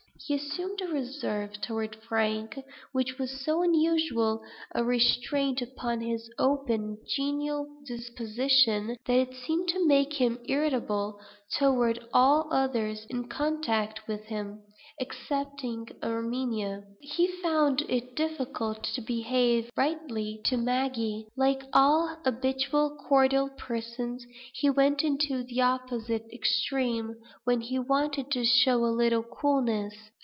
He assumed a reserve toward Frank; which was so unusual a restraint upon his open, genial disposition, that it seemed to make him irritable toward all others in contact with him, excepting Erminia. He found it difficult to behave rightly to Maggie. Like all habitually cordial persons, he went into the opposite extreme, when he wanted to show a little coolness.